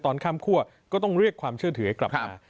ข้ามคั่วก็ต้องเรียกความเชื่อถือให้กลับมา